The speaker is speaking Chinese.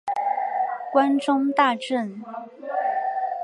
关中大震。